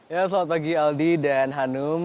ya selamat pagi aldi dan hanum